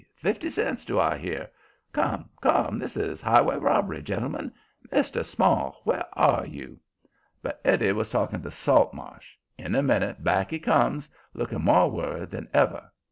Fifty cents do I hear? Come, come! this is highway robbery, gentlemen. Mr. Small where are you?" But Eddie was talking to Saltmarsh. In a minute back he comes, looking more worried than ever.